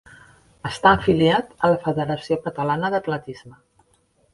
Està afiliat a la Federació Catalana d'Atletisme.